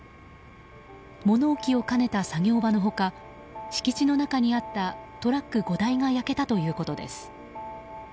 物置を兼ねた作業場の他敷地の中にあったトラック５台が焼けたということです。